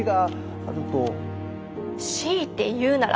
強いて言うなら。